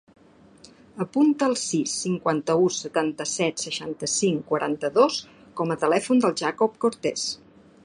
Apunta el sis, cinquanta-u, setanta-set, seixanta-cinc, quaranta-dos com a telèfon del Jacob Cortes.